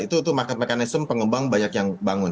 itu market mechanism pengembang banyak yang bangun